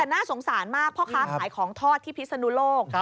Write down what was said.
แต่น่าสงสารมากพ่อค้าขายของทอดที่พิศนุโลก